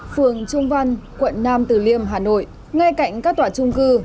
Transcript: phường trung văn quận nam từ liêm hà nội ngay cạnh các tòa trung cư